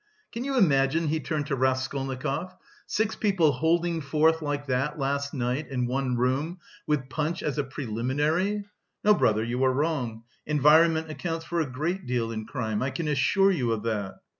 "Can you imagine," he turned to Raskolnikov, "six people holding forth like that last night, in one room, with punch as a preliminary! No, brother, you are wrong, environment accounts for a great deal in crime; I can assure you of that."